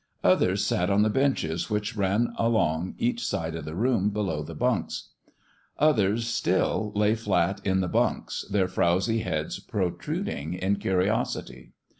Others sat on the benches which ran along each side of the room below the bunks. Others, still, lay flat in the bunks, their frowzy heads protruding in curi osity.